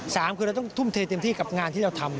สามคือเราต้องทุ่มเทเต็มที่กับงานที่เราทำ